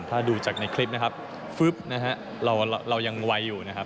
ถ้าดูจากในคลิปนะครับเรายังไวอยู่นะครับ